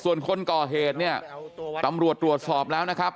ส่วนคนก่อเหตุเนี่ยตำรวจตรวจสอบแล้วนะครับ